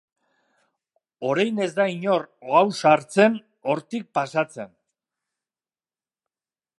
Orain ez da inor ausartzen hortik pasatzen.